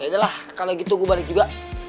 ya udah lah kalau gitu gue balik juga